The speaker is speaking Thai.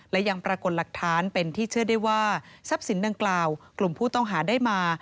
และยังปรากฏหลักฐานเป็นที่เชื่อได้ว่าทรัพย์สินดังกล่าวกลุ่มผู้ต้องหาได้มา